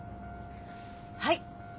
はい。